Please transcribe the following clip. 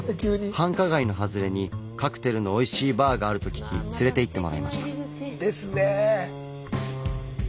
繁華街の外れにカクテルのおいしいバーがあると聞き連れて行ってもらいました。